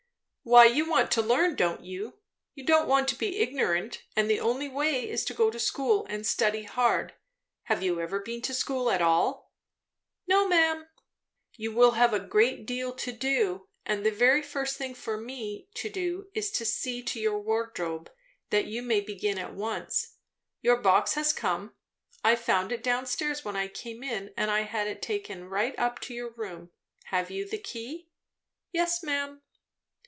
"Why you want to learn, don't you? You don't want to be ignorant; and the only way is to go to school and study hard. Have you ever been to school at all?" "No, ma'am." "You will have a great deal to do. And the very first thing for me to do is to see to your wardrobe, that you may begin at once. Your box has come; I found it down stairs when I came in, and I had it taken right up to your room. Have you the key?" "Yes, ma'am."